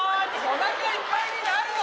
おなかいっぱいになるの？